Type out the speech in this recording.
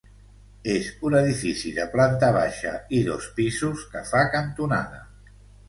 És un edifici de planta baixa i dos pisos, que fa cantonada.